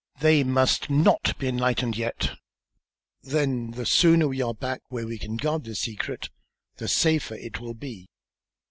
"They must not be enlightened yet." "Then, the sooner we are back where we can guard this secret, the safer it will be.